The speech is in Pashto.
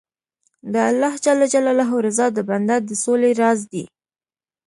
د الله رضا د بنده د سولې راز دی.